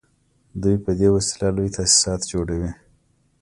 دوی په دې وسیله لوی تاسیسات جوړوي